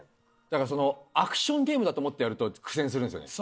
だからアクションゲームだと思ってやると苦戦するんですよね。